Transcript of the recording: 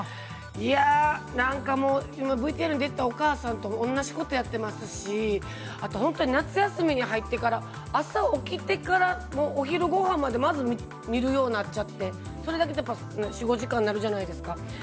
いや今ＶＴＲに出ていたお母さんと同じことやっていますし本当に夏休みに入ってから朝起きてからお昼ごはんまで見るようになっちゃってそれだけで４、５時間になるじゃないですか。